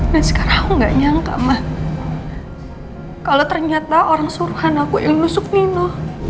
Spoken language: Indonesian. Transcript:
nah sekarang gak nyangka mah kalo ternyata orang suruhan aku ilmu subnino